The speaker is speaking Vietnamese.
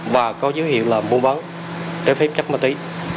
và có dấu hiệu là muôn vấn trái phép chắc ma túy